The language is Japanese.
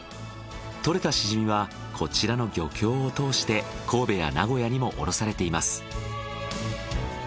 獲れたシジミはこちらの漁協を通して神戸や名古屋にも卸されています。